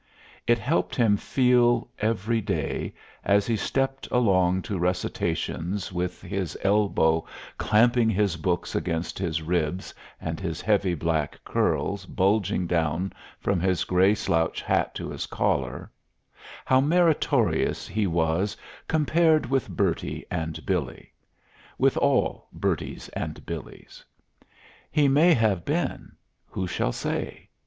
It helped him feel every day, as he stepped along to recitations with his elbow clamping his books against his ribs and his heavy black curls bulging down from his gray slouch hat to his collar, how meritorious he was compared with Bertie and Billy with all Berties and Billies. He may have been. Who shall say?